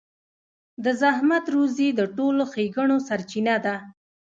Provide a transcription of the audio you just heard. د زحمت روزي د ټولو ښېګڼو سرچينه ده.